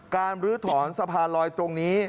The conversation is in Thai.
ลื้อถอนสะพานลอยตรงนี้